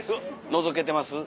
のぞけてます？